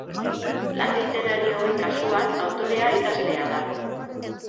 Lan literarioen kasuan autorea idazlea da.